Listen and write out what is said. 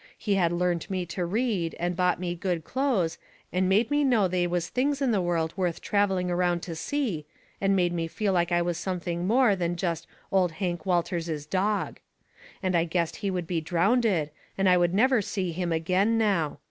He had learnt me to read, and bought me good clothes, and made me know they was things in the world worth travelling around to see, and made me feel like I was something more than jest Old Hank Walters's dog. And I guessed he would be drownded and I would never see him agin now.